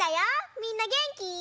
みんなげんき？